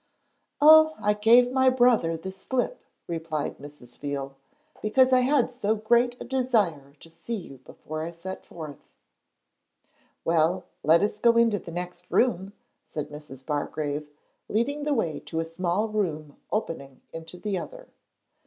'Oh, I gave my brother the slip,' replied Mrs. Veal, 'because I had so great a desire to see you before I set forth.' 'Well, let us go into the next room,' said Mrs. Bargrave, leading the way to a small room opening into the other. Mrs.